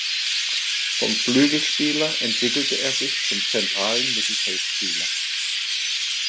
Vom Flügelspieler entwickelte er sich zum zentralen Mittelfeldspieler.